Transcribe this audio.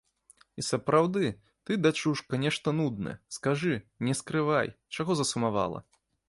І сапраўды, ты, дачушка, нешта нудная, скажы, не скрывай, чаго засумавала.